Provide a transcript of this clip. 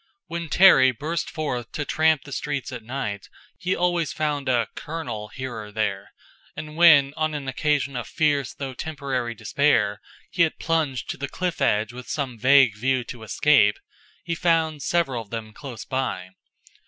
When Terry burst forth to tramp the streets at night he always found a "Colonel" here or there; and when, on an occasion of fierce though temporary despair, he had plunged to the cliff edge with some vague view to escape, he found several of them close by.